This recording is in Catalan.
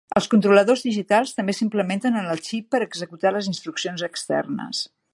Els controladors digitals també s'implementen en el xip per executar les instruccions externes.